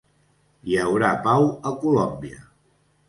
Hi haurà pau a Colòmbia